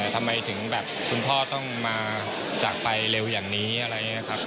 ทำไมถึงแบบคุณพ่อต้องมาจากไปเร็วอย่างนี้อะไรอย่างนี้ครับ